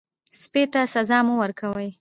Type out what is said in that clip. سپي ته سزا مه ورکوئ.